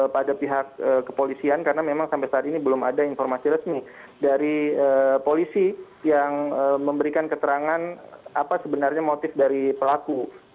pada pihak kepolisian karena memang sampai saat ini belum ada informasi resmi dari polisi yang memberikan keterangan apa sebenarnya motif dari pelaku